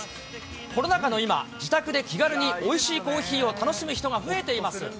コロナ禍の今、自宅で気軽においしいコーヒーを楽しむ人が増えています。